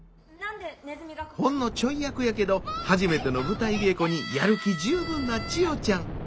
ほんのチョイ役やけど初めての舞台稽古にやる気十分な千代ちゃん。